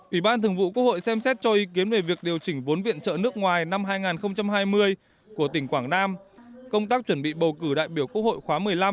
ủy ban thường vụ quốc hội xem xét cho ý kiến về việc điều chỉnh vốn viện trợ nước ngoài năm hai nghìn hai mươi của tỉnh quảng nam công tác chuẩn bị bầu cử đại biểu quốc hội khóa một mươi năm